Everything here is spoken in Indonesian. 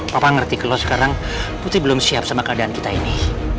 papa ngerti kalau sekarang putih belum siap sama keadaan kita ini